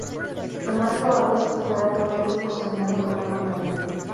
Lo más probable es que fuera todo ello cocinado con agua marina.